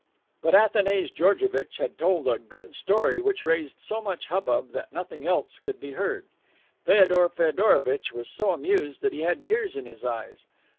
But Athanase Georgevitch had told a "good story" which raised so much hubbub that nothing else could be heard. Feodor Feodorovitch was so amused that he had tears in his eyes.